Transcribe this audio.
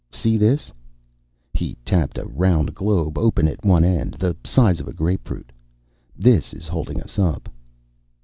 "See this?" He tapped a round globe, open at one end, the size of a grapefruit. "This is holding us up."